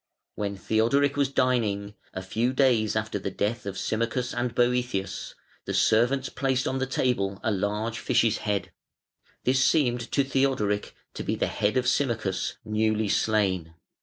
"When Theodoric was dining, a few days after the death of Symmachus and Boëthius, the servants placed on the table a large fish's head. This seemed to Theodoric to be the head of Symmachus, newly slain.